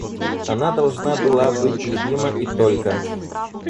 Она должна была быть любима и только.